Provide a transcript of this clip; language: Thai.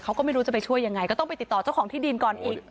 เขาก็ไม่รู้จะไปช่วยยังไงก็ต้องไปติดต่อเจ้าของที่ดินก่อนอีก